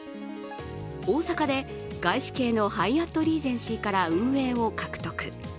大阪で外資系のハイアットリージェンシーから運営を獲得。